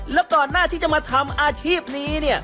แล้วก่อนหน้าที่จะมาทำอาชีพนี้เนี่ย